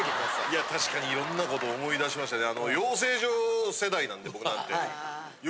いやたしかにいろんなこと思い出しましたね。